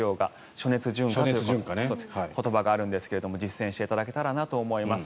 暑熱順化という言葉があるんですが実践していただけたらと思います。